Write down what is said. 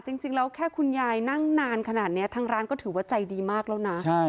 จริงแล้วแค่คุณยายนั่งนานขนาดนี้ทางร้านก็ถือว่าใจดีมากแล้วนะ